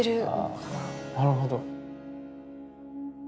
なるほど。